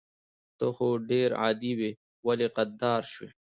ته خو ډير عادي وي ولې غدار شوي